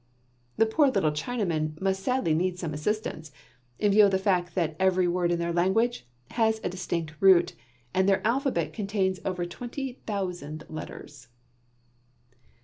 The poor little Chinamen must sadly need some assistance, in view of the fact that every word in their language has a distinct root, and their alphabet contains over twenty thousand letters.